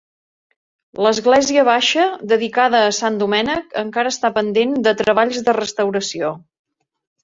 L'Església Baixa dedicada a Sant Domènec encara està pendent de treballs de restauració.